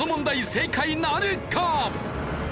正解なるか！？